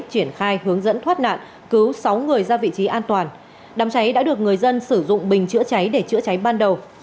triển khai hướng dẫn thoát nạn cứu sáu người ra vị trí an toàn đám cháy đã được người dân sử dụng bình chữa cháy để chữa cháy ban đầu